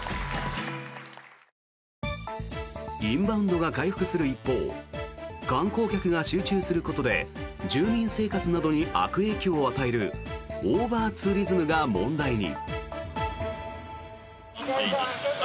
インバウンドが回復する一方観光客が集中することで住民生活などに悪影響を与えるオーバーツーリズムが問題に。